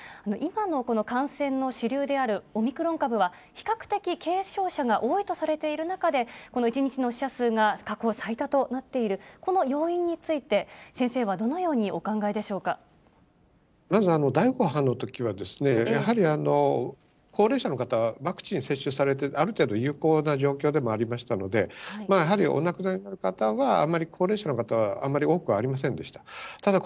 今のこの感染の主流であるオミクロン株は、比較的軽症者が多いとされている中で、この１日の死者数が過去最多となっている、この要因について、先生はどのようにお考えでしまず第５波のときは、やはり高齢者の方々、ワクチン接種されて、ある程度有効な状況でもありましたので、やはりお亡くなりになる方はあんまり高齢者の方はあんまり多くありませんでした。